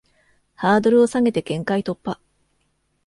ハードルを下げて限界突破